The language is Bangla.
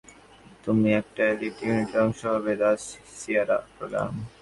তুমি একটা এলিট ইউনিটের অংশ হবে, দ্য সিয়েরা প্রোগ্রাম।